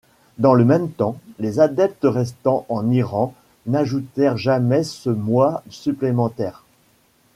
Dans le même temps, les adeptes restant en Iran n’ajoutèrent jamais ce mois supplémentaire.